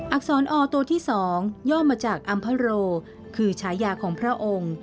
ักษรอตัวที่๒ย่อมาจากอัมภโรคือฉายาของพระองค์